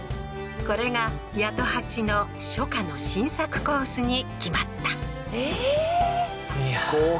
これが八十八の初夏の新作コースに決まったええー？